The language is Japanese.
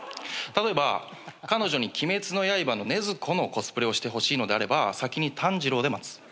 例えば彼女に『鬼滅の刃』の禰豆子のコスプレをしてほしいのであれば先に炭治郎で待つ。